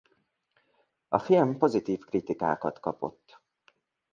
A film pozitív kritikákat kapott.